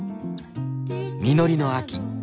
実りの秋。